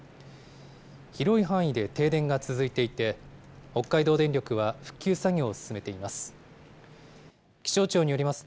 広い範囲で停電が続いていて、北海道電力は復旧作業を進めています。